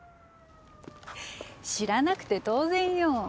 知らなくて当然よ。